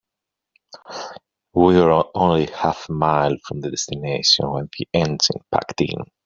We were only half a mile from the destination when the engine packed in.